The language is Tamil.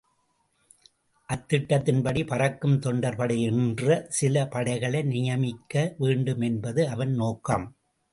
அத்திட்டத்தின்படி பறக்கும் தொண்டர் படை யென்று சில படைகளை நியமிக்க வேண்டும் என்பது அவன் நோக்கம்.